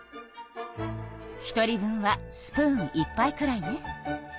１人分はスプーン１杯くらいね。